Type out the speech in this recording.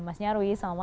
mas nyarwi selamat malam